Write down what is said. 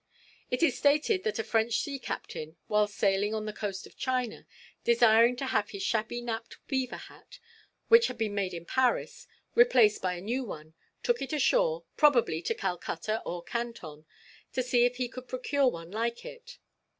It is stated that a French sea captain, while sailing on the coast of China, desiring to have his shabby napped beaver hat, which had been made in Paris, replaced by a new one, took it ashore, probably to Calcutta or Canton, to see if he could procure one like it.